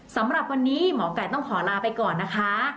สำหรับวันนี้หมอไก่ต้องขอลาไปก่อนนะคะ